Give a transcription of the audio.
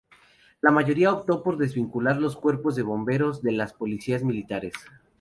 La mayoría optó por desvincular los Cuerpos de Bomberos de las Policías Militares.